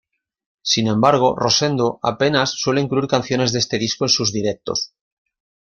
Sin embargo Rosendo apenas suele incluir canciones de este disco en sus directos.